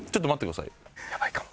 やばいかも。